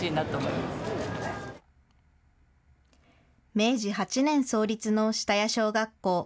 明治８年創立の下谷小学校。